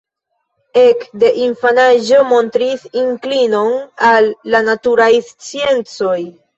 Ek de infanaĝo montris inklinon al la naturaj sciencoj.